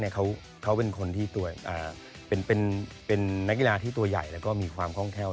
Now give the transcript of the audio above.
เค้าเป็นนักอีราที่ตัวใหญ่แล้วก็มีความค่องแข้ว